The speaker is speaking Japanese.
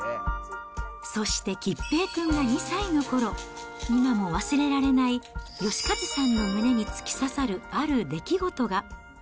そして結平くんが２歳のころ、今も忘れられない、芳和さんの胸に突き刺さるある出来事が。